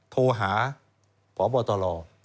โทรหาพบตล